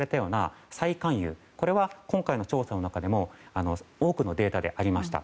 これは今回の調査の中でも多くのデータでありました。